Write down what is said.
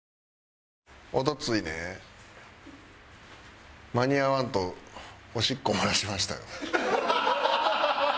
一昨日ね間に合わんとおしっこ漏らしましたよ。